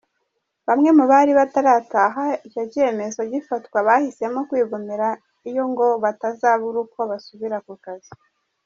Bamwe mubari batarataha icyo cyemezo gifatwa bahisemo kwigumirayo ngo batazabura uko basubira ku kazi.